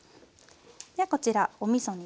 ではこちらおみそにですね